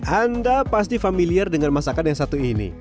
anda pasti familiar dengan masakan yang satu ini